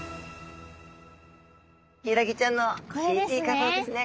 ヒイラギちゃんのＣＴ画像ですね。